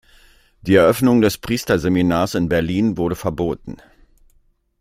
Die Eröffnung des Priesterseminars in Berlin wurde verboten.